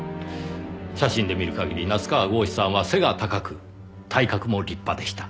写真で見る限り夏河郷士さんは背が高く体格も立派でした。